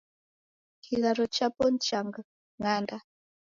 Kigharo chapo ni cha ng'anda